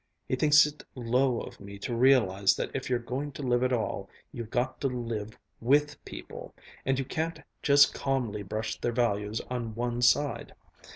He thinks it low of me to realize that if you're going to live at all, you've got to live with people, and you can't just calmly brush their values on one side.